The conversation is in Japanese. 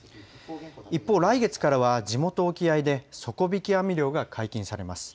一方、来月からは地元沖合で底引き網漁が解禁されます。